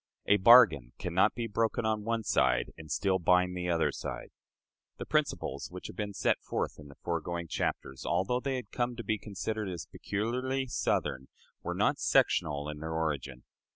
A bargain can not be broken on one side, and still bind the other side." The principles which have been set forth in the foregoing chapters, although they had come to be considered as peculiarly Southern, were not sectional in their origin.